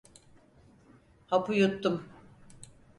Hapı yuttum.